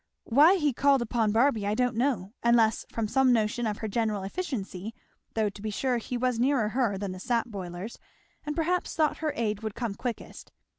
Why he called upon Barby I don't know, unless from some notion of her general efficiency, though to be sure he was nearer her than the sap boilers and perhaps thought her aid would come quickest.